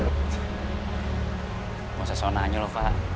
gak usah soal nanya loh kak